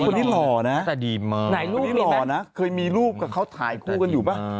หล่อนะคนนี้หล่อนะเคยมีรูปกับเขาถ่ายคู่กันอยู่ป่ะ